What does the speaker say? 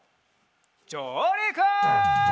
じょうりく！